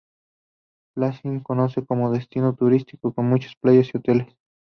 Praslin se conoce como destino turístico, con muchas playas y hoteles.